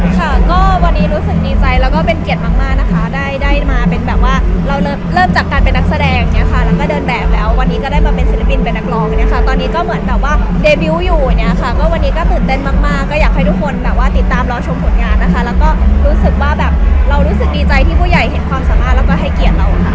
ตอนนี้รู้สึกดีใจแล้วก็เป็นเกียรติมากนะคะได้มาเป็นแบบว่าเราเริ่มจากการเป็นนักแสดงเนี่ยค่ะแล้วก็เดินแบบแล้ววันนี้ก็ได้มาเป็นศิลปินเป็นนักรองเนี่ยค่ะตอนนี้ก็เหมือนแบบว่าเดบิวอยู่เนี่ยค่ะก็วันนี้ก็ตื่นเต้นมากก็อยากให้ทุกคนแบบว่าติดตามรอชมผลงานนะคะแล้วก็รู้สึกว่าแบบเรารู้สึกดี